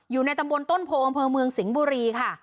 อยู่ในตำบลต้นโพอำเภอเมืองสิงห์บุรีค่ะ